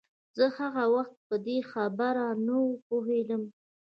زه هغه وخت په دې خبره نه پوهېدم.